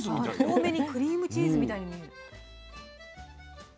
遠目にクリームチーズみたいに見える。